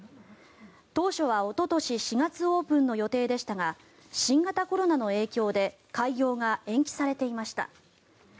当初はおととし４月オープンの予定でしたが新型コロナの影響で開業が延期されていました。